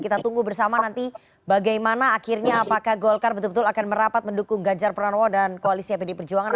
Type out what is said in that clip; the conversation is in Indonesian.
kita tunggu bersama nanti bagaimana akhirnya apakah golkar betul betul akan merapat mendukung ganjar pranowo dan koalisi pdi perjuangan